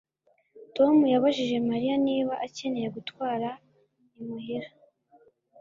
Tom yabajije Mariya niba akeneye gutwara imuhira